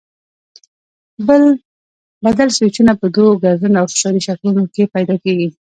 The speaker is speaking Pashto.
بدل سویچونه په دوو ګرځنده او فشاري شکلونو کې پیدا کېږي.